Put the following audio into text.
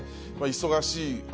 忙しい秋、